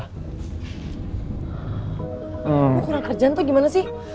aku kurang kerjaan tuh gimana sih